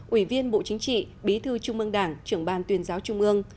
ủy viên bộ chính trị bí thư trung ương đảng trưởng ban tuyên giáo trung ương